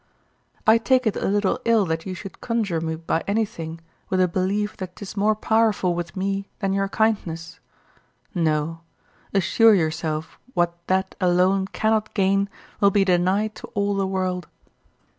I take it a little ill that you should conjure me by anything, with a belief that 'tis more powerful with me than your kindness. No, assure yourself what that alone cannot gain will be denied to all the world.